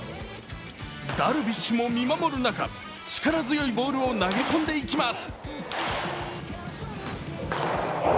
ダルビッシュも見守る中、力強いボールを投げ込んでいきます。